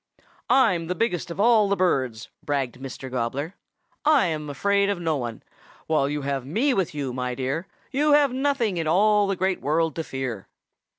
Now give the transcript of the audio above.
"'I'm the biggest of all the birds,' bragged Mr. Gobbler. 'I'm afraid of no one. While you have me with you, my dear, you have nothing in all the Great World to fear.'